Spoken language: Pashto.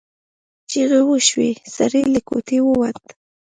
چیغې وشوې سړی له کوټې ووت.